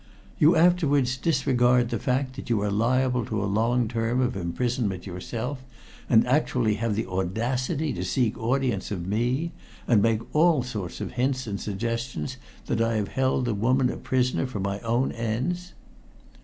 You afterwards disregard the fact that you are liable to a long term of imprisonment yourself, and actually have the audacity to seek audience of me and make all sorts of hints and suggestions that I have held the woman a prisoner for my own ends!"